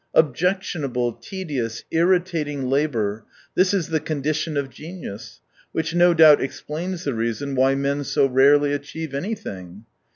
Objectionable, tedious, irritating labour, — this is the condi tion of genius, which no doubt explains the reason why men so rarely achieve anything.